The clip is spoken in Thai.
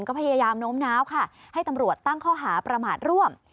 ก็พยายามโน้มน้าวค่ะให้ตำรวจตั้งข้อหาประมาทร่วม